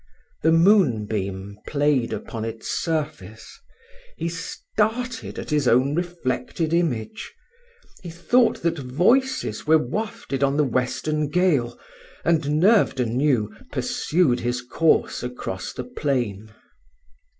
The moonbeam played upon its surface he started at his own reflected image he thought that voices were wafted on the western gale, and, nerved anew, pursued his course across the plain.